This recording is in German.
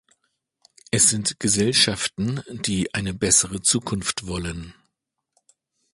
Es sind Gesellschaften, die eine bessere Zukunft wollen.